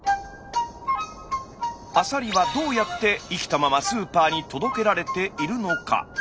アサリはどうやって生きたままスーパーに届けられているのか？